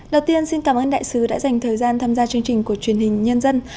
đầu tiên xin cảm ơn đại sứ đã dành thời gian tham gia chương trình của truyền hình nhân dân